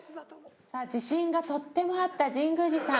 自信がとってもあった神宮寺さん